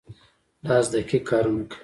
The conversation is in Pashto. لاس دقیق کارونه کوي.